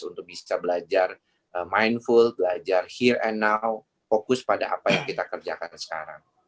untuk bisa belajar mindful belajar heart and now fokus pada apa yang kita kerjakan sekarang